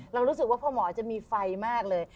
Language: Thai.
เรารู้สึกว่าพอหมอจะมีไฟมากเลย